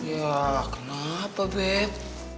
ya kenapa beb